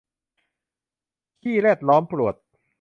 ขี้แรดล้อมปรวด